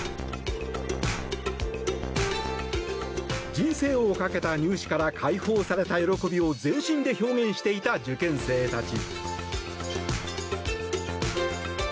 人生をかけた入試から解放された喜びを全身で表現していた受験生たち。